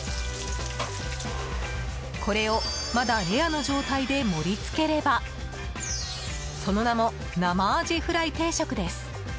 これを、まだレアの状態で盛り付ければその名も、生アジフライ定食です。